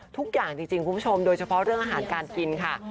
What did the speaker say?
ทุกอย่างจริงคุณผู้ชมโดยเฉพาะเรื่องอาหารการกินค่ะ